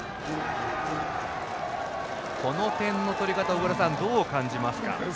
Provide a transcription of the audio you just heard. この点の取り方小倉さん、どう感じますか？